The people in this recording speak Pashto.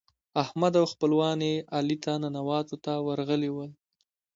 احمد او خپلوان يې علي ته ننواتو ته ورغلي ول.